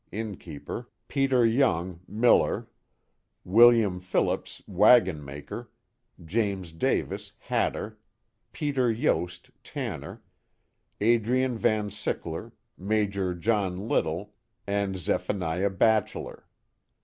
innkeeper ; Peter Young, miller; William Phillips, wagon maker; James Davis, hatter ; Peter Vost, tanner; Adrian Van Sickler, Major John Little, and Zephaniah Bachelor.